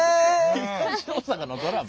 東大阪のドラマ？